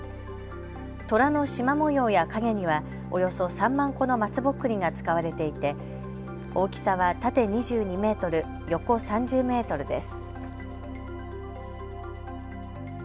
とらのしま模様や影にはおよそ３万個の松ぼっくりが使われていて大きさは縦２２メートル、横３０メートルです。